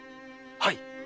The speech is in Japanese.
はい。